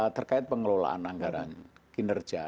terkait pengelolaan anggaran kinerja